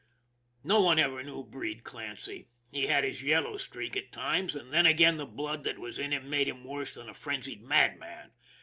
No one ever knew Breed Clancy. He had his yellow streak at times, and then again the blood that was in him made him worse than a frenzied madman.